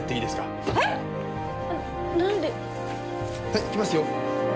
はい行きますよ。